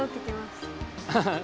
ハハハ